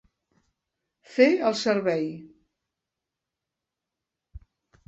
Fer el servei.